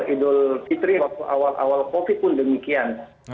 idul fitri waktu awal awal covid pun demikian